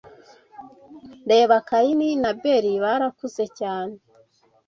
REBA Kayini na Abeli Barakuze cyane